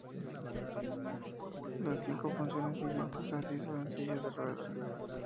Las cinco funciones siguientes las hizo en silla de ruedas.